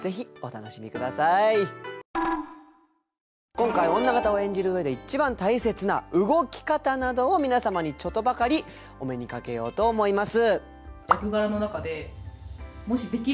今回女方を演じる上で一番大切な動き方などを皆様にちょっとばかりお目にかけようと思います。